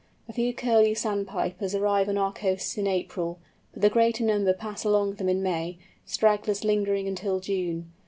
A few Curlew Sandpipers arrive on our coasts in April, but the greater number pass along them in May, stragglers lingering until June.